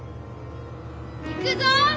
行くぞッ！